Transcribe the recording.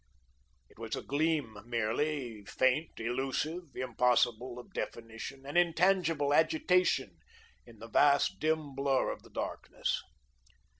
It was a gleam merely, faint, elusive, impossible of definition, an intangible agitation, in the vast, dim blur of the darkness.